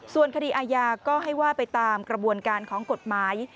ส่วนคดีอาญาก็ให้ว่าไปตามกระบวนการของกฎหมาย